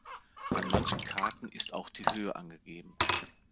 Auf manchen Karten ist auch die Höhe angegeben.